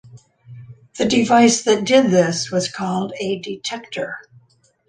The device that did this was called a detector.